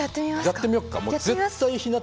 やってみよっか。